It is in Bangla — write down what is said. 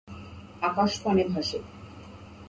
আকাশ পানে ভাসে।